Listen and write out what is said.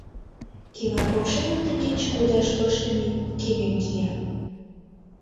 Кӱвар покшелне теҥгече кудаш пыштыме кемем кия.